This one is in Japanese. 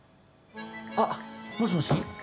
あっもしもし？